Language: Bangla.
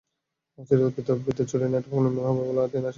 অচিরেই বিদ্যুৎ চুরির নেটওয়ার্ক নির্মূল হবে বলে তিনি আশা প্রকাশ করেছেন।